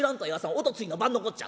おとついの晩のこっちゃ。